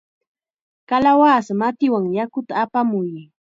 ¡Kalawasa matiwan yakuta apamuy!